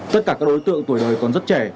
tất cả các đối tượng tuổi đời còn rất trẻ